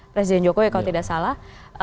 presiden jokowi kalau tidak salah